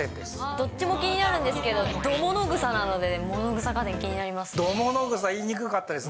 どっちも気になるんですけど、ドものぐさなので、ものぐさ家電、気になります。